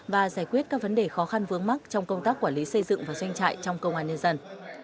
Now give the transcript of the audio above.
và giải quyết các vấn đề khó khăn vướng mắt trong công tác quản lý xây dựng và doanh trại trong công an nhân dân